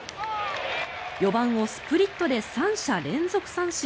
４番をスプリットで３者連続三振。